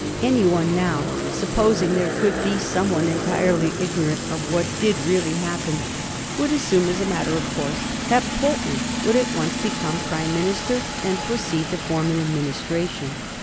Any one now — supposing there could be some one entirely ignorant of what did really happen — would assume, as a matter of course, that Pnlteney would at once become Prime minister *and pro ceed to form an administration.